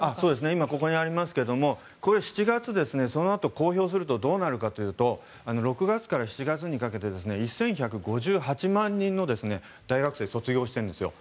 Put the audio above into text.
今ここにありますがこれ、７月、このあと公表するとどうなるかというと６月から７月にかけて１１５８万人の大学生が卒業しているんですよ。